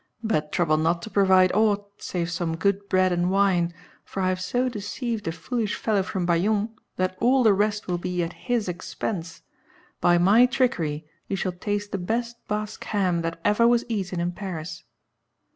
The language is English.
But trouble not to provide aught save some good bread and wine, for I have so deceived a foolish fellow from Bayonne that all the rest will be at his expense; by my trickery you shall taste the best Basque ham that ever was eaten in Paris."